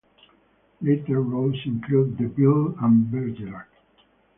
Later roles included "The Bill" and "Bergerac".